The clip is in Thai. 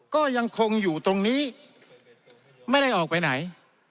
ก็ยังคงอยู่ตรงนี้ไม่ได้ออกไปไหน